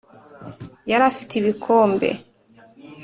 yari afite ibikombe